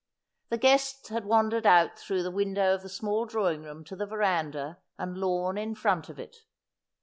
The guests had wandered out through the window of the small drawing room to the verandah and lawn in front of it.